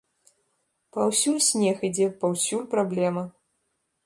Паўсюль снег ідзе, паўсюль праблема.